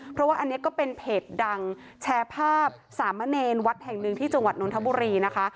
เพราะว่าอันนี้ก็เป็นเพจดังแชร์ภาพสามเณรวัดแห่งหนึ่งที่จังหวัดนทบุรีนะคะ